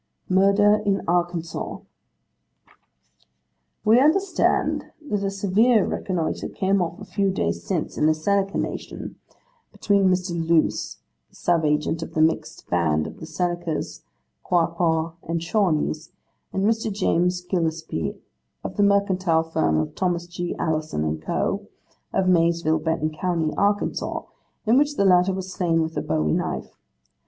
'Murder in Arkansas. 'We understand that a severe rencontre came off a few days since in the Seneca Nation, between Mr. Loose, the sub agent of the mixed band of the Senecas, Quapaw, and Shawnees, and Mr. James Gillespie, of the mercantile firm of Thomas G. Allison and Co., of Maysville, Benton, County Ark, in which the latter was slain with a bowie knife.